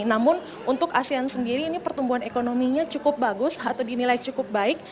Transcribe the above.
namun untuk asean sendiri ini pertumbuhan ekonominya cukup bagus atau dinilai cukup baik